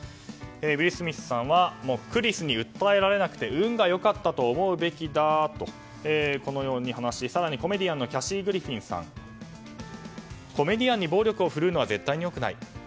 ウィル・スミスさんはクリスに訴えられなくて運が良かったと思うべきだとこのように話し更にコメディアンのキャシー・グリフィンさんコメディアンに暴力を振るうのは絶対に良くない。